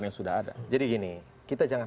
yang sudah ada jadi gini kita jangan